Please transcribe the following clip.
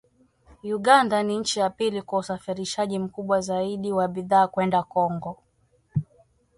Uganda ni nchi ya pili kwa usafirishaji mkubwa zaidi wa bidhaa kwenda Kongo